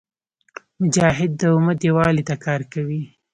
مجاهد د امت یووالي ته کار کوي.